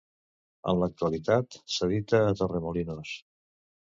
En l'actualitat s'edita a Torremolinos.